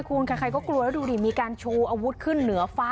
คุณใครก็กลัวแล้วดูดิมีการชูอาวุธขึ้นเหนือฟ้า